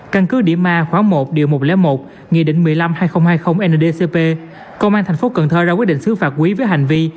căn cứ đĩa ma khóa một điều một trăm linh một nghị định một trăm năm mươi hai nghìn hai mươi ndcp công an thành phố cần thơ đã quyết định xứ phạt quý với hành vi